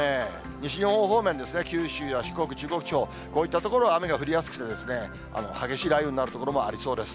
西日本方面ですね、九州や四国、中国地方、こういった所は雨が降りやすくて、激しい雷雨になる所もありそうです。